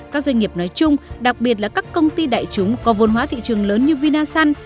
các doanh nghiệp nói chung đặc biệt là các công ty đại chúng có vôn hóa thị trường lớn như vinasun